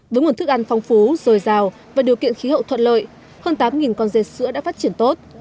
với nguồn thức ăn phong phú dồi dào và điều kiện khí hậu thuận lợi hơn tám con dê sữa đã phát triển tốt